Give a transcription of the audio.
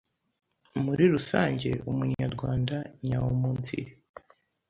Muri rusange, Umunyarwanda nyaumunsiri